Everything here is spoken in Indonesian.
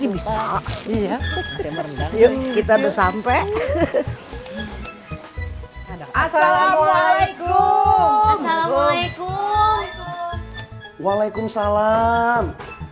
bisa iya kita udah sampai assalamualaikum waalaikumsalam